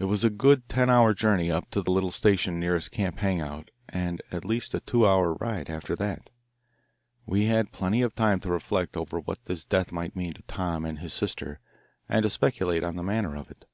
It was a good ten hour journey up to the little station nearest Camp Hang out and at least a two hour ride after that. We had plenty of time to reflect over what this death might mean to Tom and his sister and to speculate on the manner of it.